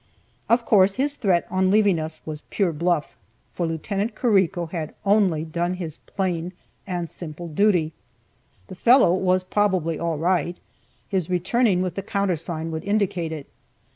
Of course his threat on leaving us was pure bluff, for Lieut. Carrico had only done his plain and simple duty. The fellow was probably all right; his returning with the countersign would indicate it.